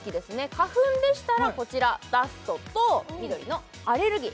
花粉でしたらこちらダストと緑のアレルギー